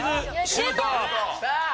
シュート！